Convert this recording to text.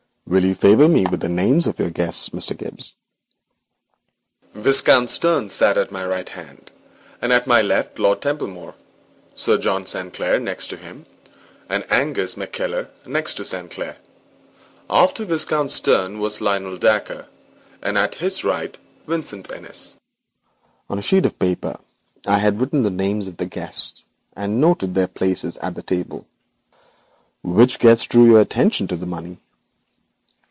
'Will you favour me with the names of your guests, Mr. Gibbes?' 'Viscount Stern sat at my right hand, and at my left Lord Templemere; Sir John Sanclere next to him, and Angus McKeller next to Sanclere. After Viscount Stern was Lionel Dacre, and at his right, Vincent Innis.' On a sheet of paper I had written the names of the guests, and noted their places at the table. 'Which guest drew your attention to the money?'